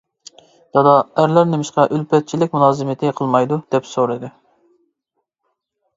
-دادا، ئەرلەر نېمىشقا ئۈلپەتچىلىك مۇلازىمىتى قىلمايدۇ؟ -دەپ سورىدىم.